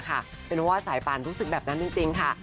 เป็นว่าสายป่านรู้สึกแบบนั้นจริงค่ะ